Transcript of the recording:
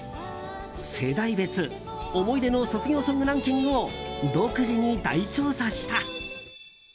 世代別思い出の卒業ソングランキングを独自に大調査した。